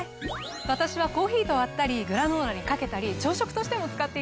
私はコーヒーと割ったりグラノーラにかけたり朝食としても使っています。